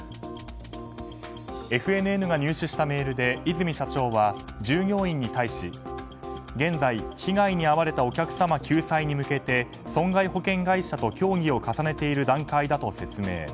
ＦＮＮが入手したメールで和泉社長は従業員に対し現在、被害に遭われたお客様救済に向けて損害保険会社と協議を重ねている段階だと説明。